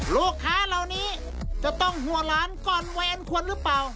ลูกค้าเหล่านี้จะต้องหัวล้านก่อนเวรควรหรือเปล่า